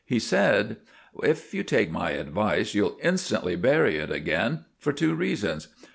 He said— "If you take my advice you'll instantly bury it again: for two reasons.